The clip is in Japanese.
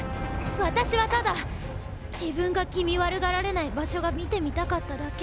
私はただ自分が気味悪がられない場所が見てみたかっただけ。